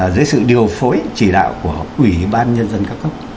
dưới sự điều phối chỉ đạo của ủy ban nhân dân các cấp